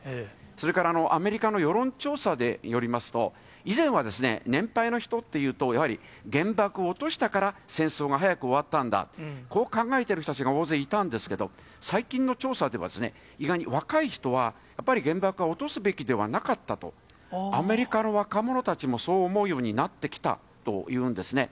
それから、アメリカの世論調査によりますと、以前は、年配の人っていうと、やはり、原爆を落としたから、戦争が早く終わったんだ、こう考えてる人たちが大勢いたんですけど、最近の調査では、意外に若い人は、やっぱり原爆は落とすべきではなかったと、アメリカの若者たちもそう思うようになってきたというんですね。